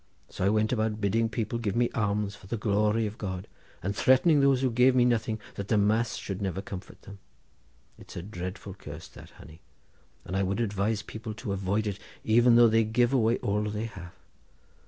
So I went about bidding people give me alms for the glory of God, and threatening those who gave me nothing that the mass should never comfort them. It's a dreadful curse that, honey; and I would advise people to avoid it even though they give away all they have.